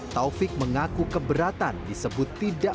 taufik mengaku keberatan disebut tidak